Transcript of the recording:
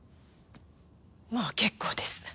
もう結構です。